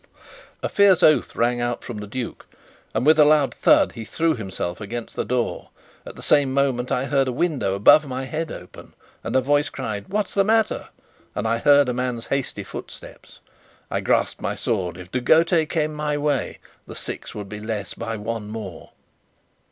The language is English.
A fierce oath rang out from the duke, and with a loud thud he threw himself against the door. At the same moment I heard a window above my head open, and a voice cried: "What's the matter?" and I heard a man's hasty footsteps. I grasped my sword. If De Gautet came my way, the Six would be less by one more.